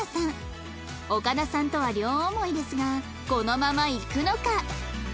岡田さんとは両思いですがこのままいくのか？